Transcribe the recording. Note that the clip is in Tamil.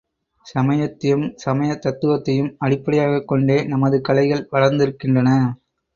சமயத்தையும் சமயத் தத்துவத்தையும் அடிப்படையாகக் கொண்டே நமது கலைகள் வளர்ந்திருக்கின்றன.